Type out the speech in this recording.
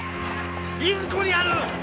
いずこにある！